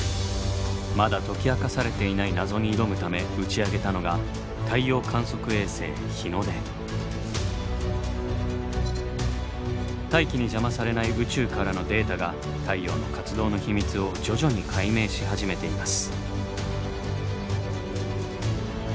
まだ解き明かされていない謎に挑むため打ち上げたのが大気に邪魔されない宇宙からのデータが太陽の活動の秘密を徐々に解明し始めています。